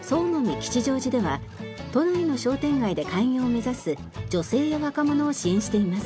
吉祥寺では都内の商店街で開業を目指す女性や若者を支援しています。